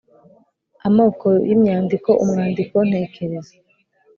amoko y’imyandiko umwandiko ntekerezo,